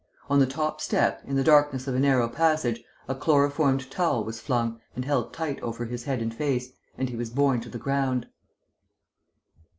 On the top step, in the darkness of a narrow passage, a chloroformed towel was flung and held tight over his head and face, and he was borne to the ground.